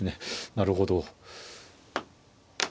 なるほど。